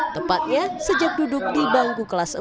tepatnya sejak duduk di bangku kelas empat